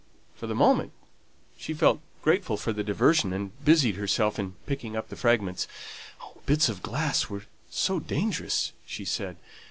For the moment she felt grateful for the diversion, and busied herself in picking up the fragments: "bits of glass were so dangerous," she said.